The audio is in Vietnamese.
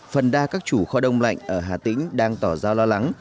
phần đa các chủ kho đông lạnh ở hà tĩnh đang tỏ ra lo lắng